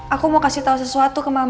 aku mau kasih tau sesuatu ke mama